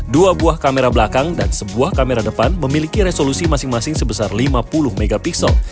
dua buah kamera belakang dan sebuah kamera depan memiliki resolusi masing masing sebesar lima puluh mp